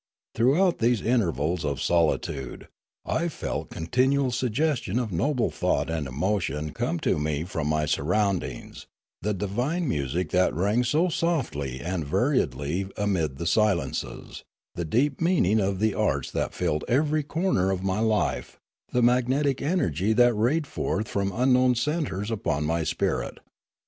Throughout these intervals of solitude, I felt continual suggestion of noble thought and emotion come to me from my surroundings, the divine music Hermitry " 41 that rang so softly and variedly amid the silences, the deep meaning of the arts that filled every corner of my life, the magnetic energy that rayed forth from un known centres upon my spirit.